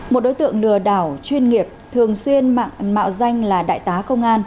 một đối tượng nừa đảo chuyên nghiệp thường xuyên mạo danh là đại tá công an